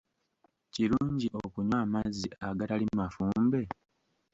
Kirungi okunywa amazzi agatali mafumbe?